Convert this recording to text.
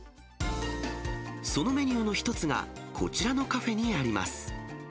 そのメニューの一つが、こちらのカフェにあります。